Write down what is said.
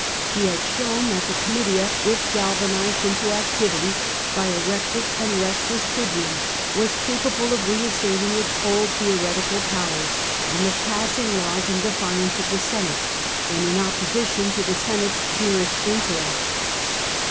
He had shown that the Comitia, if galvanised into activity by a reckless and restless tribune, was capable of reasserting its old theoretical powers, and of passing laws in defiance of the Senate, and in opposition to the Senate's dearest interests.